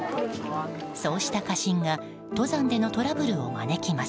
そうした過信が登山でのトラブルを招きます。